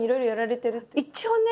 一応ね。